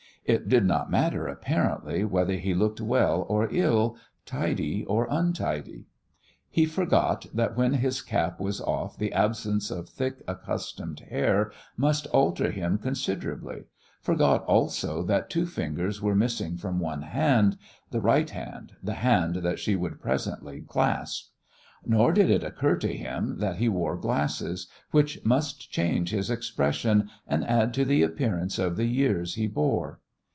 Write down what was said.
It did not matter, apparently, whether he looked well or ill, tidy or untidy. He forgot that when his cap was off the absence of thick, accustomed hair must alter him considerably, forgot also that two fingers were missing from one hand, the right hand, the hand that she would presently clasp. Nor did it occur to him that he wore glasses, which must change his expression and add to the appearance of the years he bore.